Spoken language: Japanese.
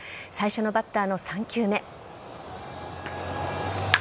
最初のバッターの３球目。